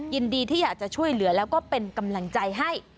ยินดีที่อยากจะช่วยเหลือแล้วก็เป็นกำลังใจให้